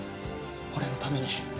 俺のために。